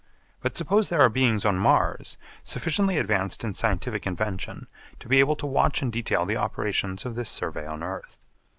But suppose there are beings on Mars sufficiently advanced in scientific invention to be able to watch in detail the operations of this survey on earth.